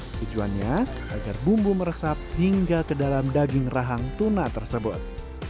tujuannya agar bumbu meresap hingga ke dalam daging rahang tuna tersebut